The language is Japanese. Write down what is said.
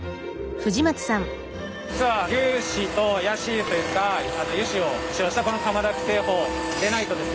実は牛脂とヤシ油といった油脂を使用したこの釜だき製法でないとですね